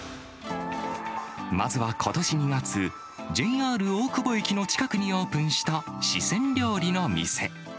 まずはことし２月、ＪＲ大久保駅の近くにオープンした、四川料理の店。